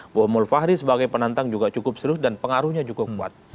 bahwa mulfahri sebagai penantang juga cukup serius dan pengaruhnya cukup kuat